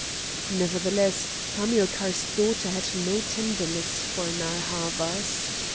Nevertheless Hamilcar's daughter had no tenderness for Narr' Havas.